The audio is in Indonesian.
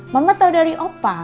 mama tau dari opa